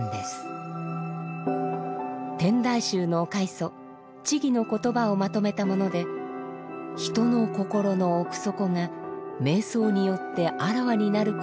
天台宗の開祖智の言葉をまとめたもので人の心の奥底が瞑想によってあらわになることをこう言い表しています。